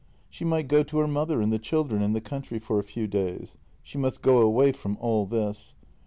She might go to her mother and the children in the country for a few days. She must go away from all this.